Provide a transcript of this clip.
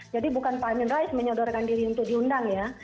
jadi bukan pak hamin rais menyodorkan diri untuk diundang ya